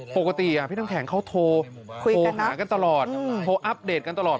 ปกติพี่น้ำแข็งเขาโทรหากันตลอดโทรอัปเดตกันตลอด